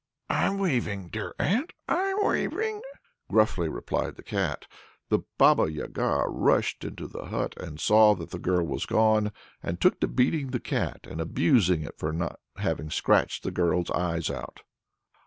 "I'm weaving, dear aunt, I'm weaving," gruffly replied the Cat. The Baba Yaga rushed into the hut, saw that the girl was gone, and took to beating the Cat, and abusing it for not having scratched the girl's eyes out.